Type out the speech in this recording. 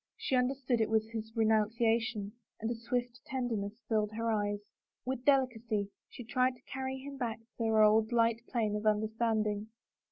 She understood it was his renunciation and a swift tenderness filled her eyes. With delicacy she tried to carry him back to their old light plane of imderstanding.